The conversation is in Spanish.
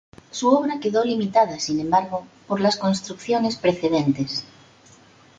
Su obra quedó limitada, sin embargo, por las construcciones precedentes.